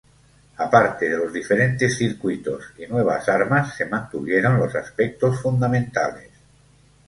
Aparte de los diferentes circuitos y nuevas armas, se mantuvieron los aspectos fundamentales.